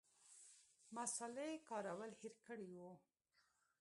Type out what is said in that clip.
مصالې کارول هېر کړي وو.